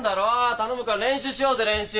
頼むから練習しようぜ練習！